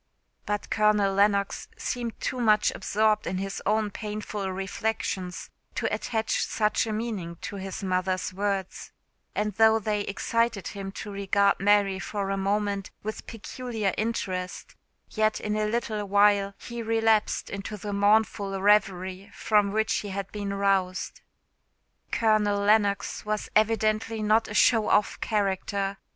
But Colonel Lennox seemed too much absorbed in his own painful reflections to attach such a meaning to his mother's words; and though they excited him to regard Mary for a moment with peculiar interest, yet, in a little while, he relapsed into the mournful reverie from which he had been roused. Colonel Lennox was evidently not a show off character.